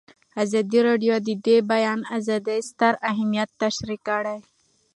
ازادي راډیو د د بیان آزادي ستر اهميت تشریح کړی.